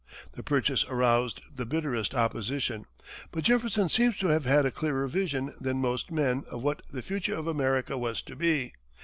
The purchase aroused the bitterest opposition, but Jefferson seems to have had a clearer vision than most men of what the future of America was to be.